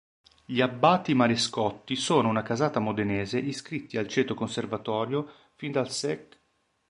Gli Abbati Marescotti sono una casata modenese iscritti al ceto Conservatorio fin dal sec.